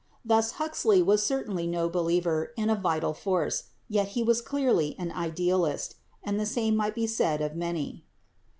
Thus Huxley was certainly no believer in 'a vital force,' yet he was clearly an idealist ; and the same might be said of many.